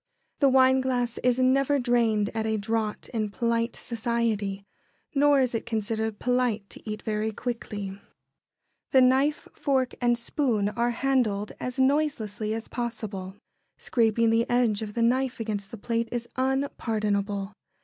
The wineglass is never drained at a draught in polite society; nor is it considered polite to eat very quickly. [Sidenote: As little noise as possible.] The knife, fork, and spoon are handled as noiselessly as possible. Scraping the edge of the knife against the plate is unpardonable.